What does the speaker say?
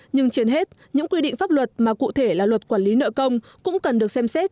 nhưng trên hết những quy định pháp luật mà cụ thể là luật quản lý nợ công cũng cần được xem xét